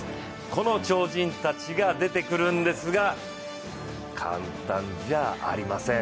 この超人たちが出てくるんですが、簡単じゃありません。